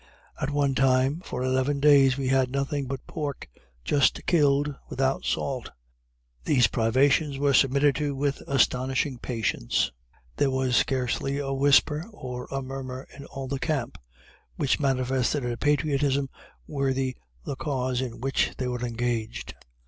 At one time, for eleven days, we had nothing but pork, just killed, without salt. These privations were submitted to with astonishing patience there was scarcely a whisper or a murmur in all the camp which manifested a patriotism worthy the cause in which they were engaged.